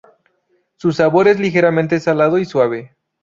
Su sabor es ligeramente salado y suave.